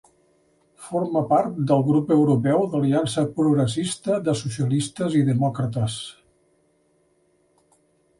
Forma part del grup europeu Aliança Progressista de Socialistes i Demòcrates.